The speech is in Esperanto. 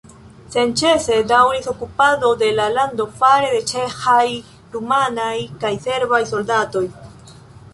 Senĉese daŭris okupado de la lando fare de ĉeĥaj, rumanaj, serbaj soldatoj.